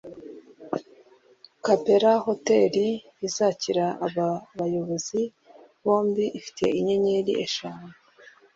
Capella Hotel izakira aba bayobozi bombi ifite inyenyeri eshanu